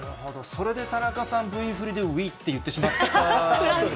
それで田中さん、Ｖ振りでウィって言ってしまったんですね。